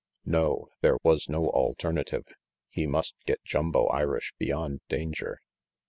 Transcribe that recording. No, there was no alternative. He must get Jumbo Irish beyond danger.